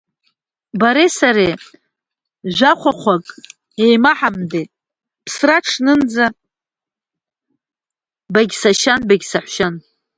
Бареи сареи жәа хәахәак еимаҳамдеит, ԥсра ҽнынӡа багьсашьан, багьсаҳәшьан.